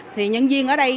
thì nhân viên ở đây